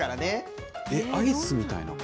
アイスみたいな。